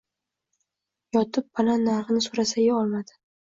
Yotib banan narxini soʻrasayu olmadi.